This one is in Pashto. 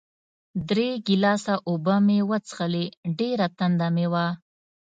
درې ګیلاسه اوبه مې وڅښلې، ډېره تنده مې وه.